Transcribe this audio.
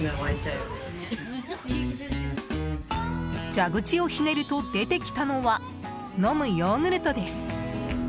蛇口をひねると出てきたのは飲むヨーグルトです！